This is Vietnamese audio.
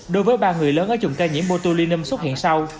đối với ba người lớn ở chủng ca nhiễm motulinum xuất hiện sau